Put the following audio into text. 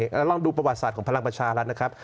แล้วลองดูประวัติศาสตร์ของพลังประชารัฐนะครับ